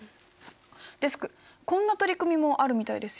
デスクこんな取り組みもあるみたいですよ。